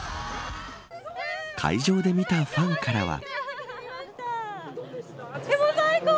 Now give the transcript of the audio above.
会場で見たファンからは。